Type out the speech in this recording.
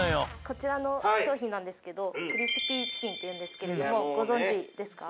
こちらの商品なんですけどクリスピーチキンっていうんですけれどもご存じですか？